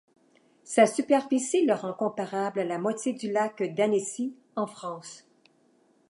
Sa superficie le rend comparable à la moitié du lac d'Annecy en France.